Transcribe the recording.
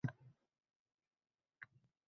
– hamma-hammasi tanitmoq darkorligini